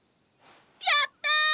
やった！